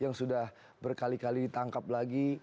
yang sudah berkali kali ditangkap lagi